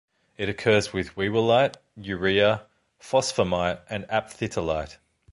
It occurs with whewellite, urea, phosphammite and aphthitalite.